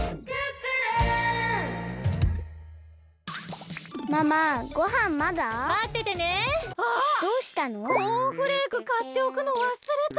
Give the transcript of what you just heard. コーンフレークかっておくのわすれた！